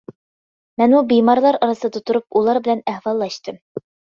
مەنمۇ بىمارلار ئارىسىدا تۇرۇپ ئۇلار بىلەن ئەھۋاللاشتىم.